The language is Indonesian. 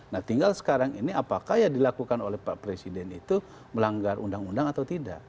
nah tinggal sekarang ini apakah yang dilakukan oleh pak presiden itu melanggar undang undang atau tidak